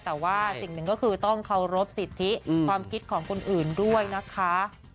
แต่ว่าสิ่งหนึ่งก็คือต้องเคารพสิทธิความคิดของคนอื่นด้วยนะคะ